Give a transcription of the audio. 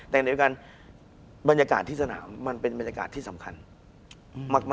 แต่เดี๋ยวกันบรรยากาศที่สนามมันเป็นบรรยากาศที่สำคัญมาก